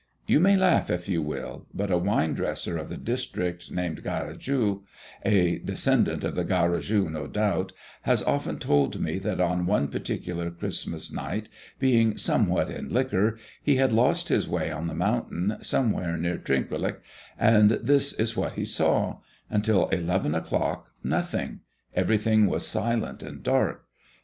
You may laugh if you will, but a wine dresser of the district, named Garrigue, a descendant of Garrigou, no doubt, has often told me that on one particular Christmas night, being somewhat in liquor, he had lost his way on the mountain somewhere near Trinquelague, and this is what he saw: until eleven o'clock nothing. Everything was silent and dark.